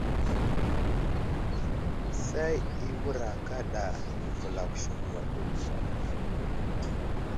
Say i wə́rà kaɗa navəlakw siŋgu atu.